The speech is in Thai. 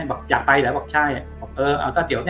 บอกอยากไปเหรอบอกใช่